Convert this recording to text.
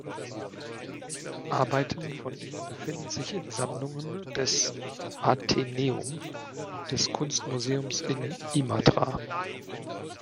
Arbeiten von ihm befinden sich in Sammlungen des Ateneum und des Kunstmuseums in Imatra.